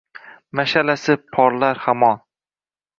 Mashʼalasi porlar hamon